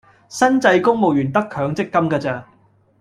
新制公務員得強積金架咋